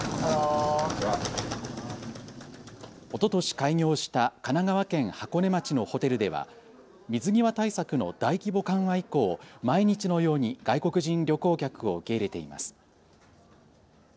おととし開業した神奈川県箱根町のホテルでは水際対策の大規模緩和以降、毎日のように外国人旅行客を受け入れています。